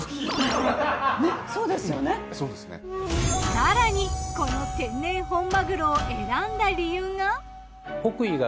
更にこの天然本まぐろを選んだ理由が。